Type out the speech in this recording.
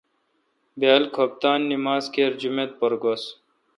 بیال کُھپتان نما ز کر جما ت پر گُس۔